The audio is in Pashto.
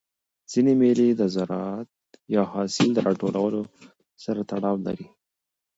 ځيني مېلې د زراعت یا حاصل د راټولولو سره تړاو لري.